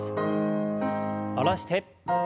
下ろして。